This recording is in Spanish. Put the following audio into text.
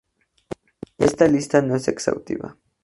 Esta lista no es exhaustiva.